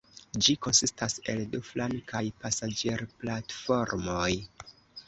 Ĝi konsistas el du flankaj pasaĝerplatformoj.